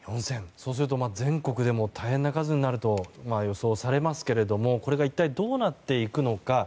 そうすると全国でも大変な数になると予想されますけれどもこれが一体どうなっていくのか。